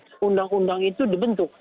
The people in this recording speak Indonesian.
bahwa undang undang itu dibentuk